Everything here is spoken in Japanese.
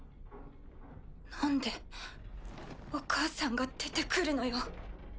なんでお母さんが出てくるのよ？